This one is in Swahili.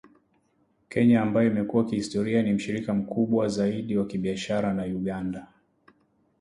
Kenya ambayo imekuwa kihistoria ni mshirika mkubwa zaidi wa kibiashara na Uganda